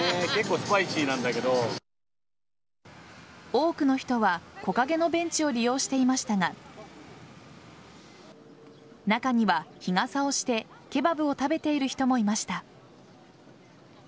多くの人は、木陰のベンチを利用していましたが中には、日傘をしてケバブを食べている人もいました。